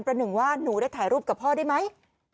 หนึ่งว่าหนูได้ถ่ายรูปกับพ่อได้ไหม